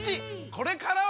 これからは！